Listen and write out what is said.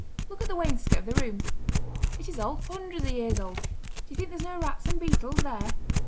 Look at the wainscot of the room! It is old—hundreds of years old! Do you think there's no rats and beetles there!